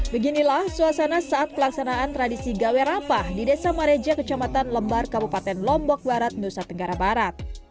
beginilah suasana saat pelaksanaan tradisi gawerapah di desa mareja kecamatan lembar kabupaten lombok barat nusa tenggara barat